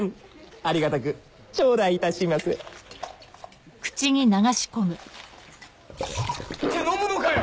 ありがたくちょうだいいたしますって飲むのかよ！